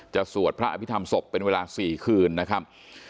สวดพระอภิษฐรรมศพเป็นเวลา๔คืนนะครับ